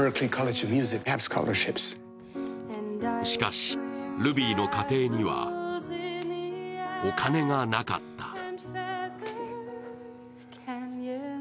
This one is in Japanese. しかし、ルビーの家庭にはお金がなかった。